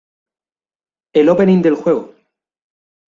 El "opening" del juego.